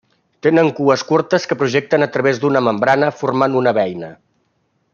Tenen cues curtes que projecten a través d'una membrana, formant una beina.